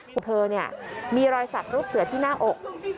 คือเธอเนี่ยมีรอยสักรูปเสือที่หน้าอก